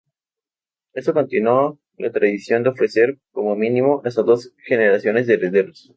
Esto continuó la tradición de ofrecer, como mínimo, hasta dos generaciones de herederos.